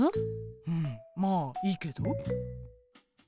うんまあいいけど。